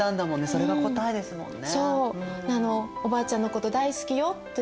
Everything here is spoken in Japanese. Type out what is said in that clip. それが答えですもんね。